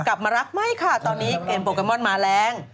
กลับมารักไม่ค่ะตอนนี้เกมโปเกมอนมาแรง